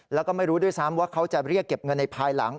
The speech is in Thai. แล้วก็ไม่รู้ด้วยซ้ำว่าเขาจะเรียกเก็บเงินในภายหลัง